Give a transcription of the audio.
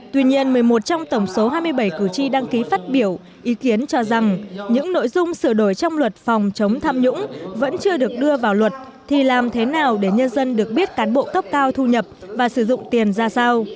tuy nhiên một mươi một trong tổng số hai mươi bảy cử tri đăng ký phát biểu ý kiến cho rằng những nội dung sửa đổi trong luật phòng chống tham nhũng vẫn chưa được đưa vào luật thì làm thế nào để nhân dân được biết cán bộ cấp cao thu nhập và sử dụng tiền ra sao